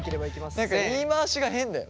何か言い回しが変だよ。